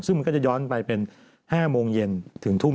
ซึ่งมันก็จะย้อนไปเป็น๕โมงเย็นถึงทุ่ม